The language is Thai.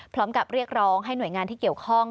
พร้อมกับเรียกร้องให้หน่วยงานที่เกี่ยวข้อง